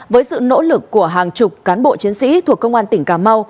với sự nỗ lực của hàng chục cán bộ chiến sĩ thuộc công an tỉnh cà mau